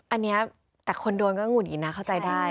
อันนี้แต่คนโดนก็หงุดหงิดนะเข้าใจได้